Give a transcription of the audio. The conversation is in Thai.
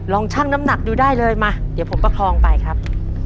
ชั่งน้ำหนักดูได้เลยมาเดี๋ยวผมประคองไปครับ